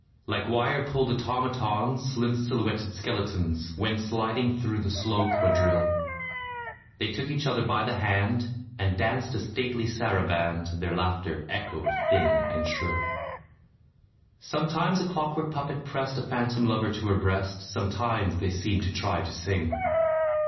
Like wire pulled automatons, Slim silhouetted skeletons Went sidling through the slow quadrille. They took each other by the hand, And danced a stately saraband; Their laughter echoed thin and shrill. Sometimes a clockwork puppet pressed A phantom lover to her breast, Sometimes they seemed to try to sing.